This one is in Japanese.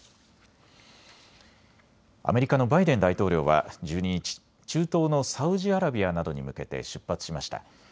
アメリカのバイデン大統領は１２日、中東のサウジアラビアなどに向けて出発しました。